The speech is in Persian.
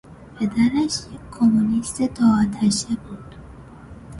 پدرش یک کمونیست دو آتشه بود.